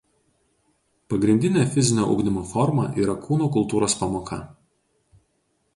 Pagrindinė fizinio ugdymo forma yra kūno kultūros pamoka.